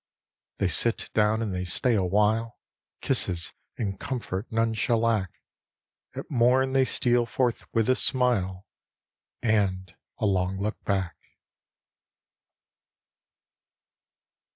They sit down and they stay awhile, Kisses and comfort none shall lack; At mom they steal forth with a smile And a long look back.